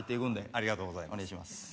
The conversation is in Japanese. ありがとうございます。